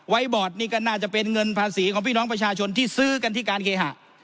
บอร์ดนี่ก็น่าจะเป็นเงินภาษีของพี่น้องประชาชนที่ซื้อกันที่การเคหะ